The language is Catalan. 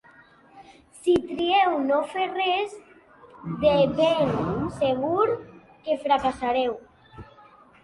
Si trieu no fer res, de ben segur que fracassareu.